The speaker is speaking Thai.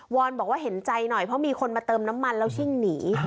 อนบอกว่าเห็นใจหน่อยเพราะมีคนมาเติมน้ำมันแล้วชิ่งหนี